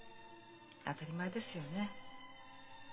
当たり前ですよね。